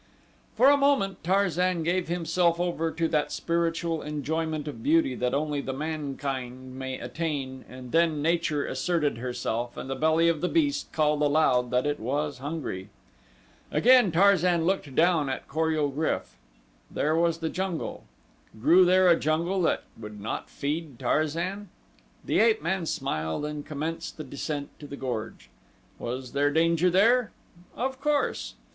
For a moment Tarzan gave himself over to that spiritual enjoyment of beauty that only the man mind may attain and then Nature asserted herself and the belly of the beast called aloud that it was hungry. Again Tarzan looked down at Kor ul GRYF. There was the jungle! Grew there a jungle that would not feed Tarzan? The ape man smiled and commenced the descent to the gorge. Was there danger there? Of course.